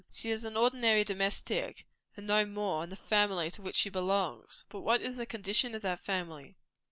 She is an ordinary domestic and no more in the family to which she belongs. But what is the condition of that family?